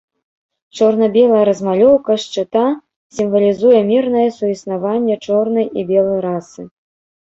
Чорна-белая размалёўка шчыта сімвалізуе мірнае суіснаванне чорнай і белай расы.